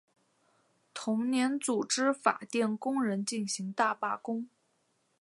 同年组织法电工人进行大罢工。